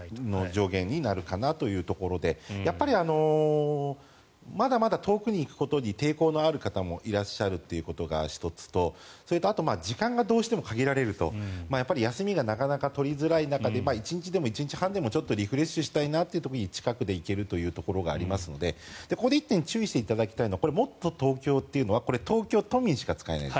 上限になるかなというところでまだまだ遠くに行くことに抵抗がある方もいらっしゃるということが１つとそれと時間がどうしても限られると休みがなかなか取りづらい中で１日でも１日半でもリフレッシュしたいなという時近くで行けるということがありますのでここで１点注意していただきたいのはもっとＴｏｋｙｏというのはこれは東京都民しか使えない。